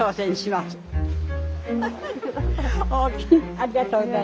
ありがとうございます。